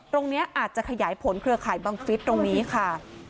ตรงนี้อาจจะขยายผลเครือข่ายบังฟิศตรงนี้ค่ะ